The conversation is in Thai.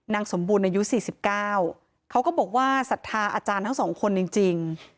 นางสมบูรณ์อายุสี่สิบเก้าเขาก็บอกว่าสัทธาอาจารย์ทั้งสองคนจริงจริง